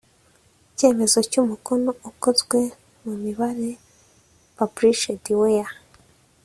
icyemezo cy umukono ukozwe mu mibare published where